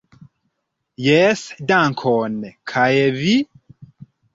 Jes, dankon, kaj vi?